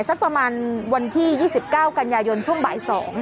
สักประมาณวันที่๒๙กันยายนช่วงบ่าย๒